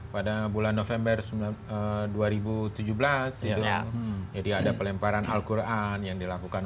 pada bulan november dua ribu tujuh belas jadi ada pelemparan al quran yang dilakukan